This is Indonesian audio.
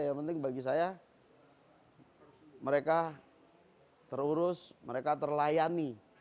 yang penting bagi saya mereka terurus mereka terlayani